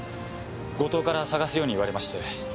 後藤から捜すように言われまして。